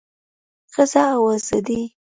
ښځه او ازادي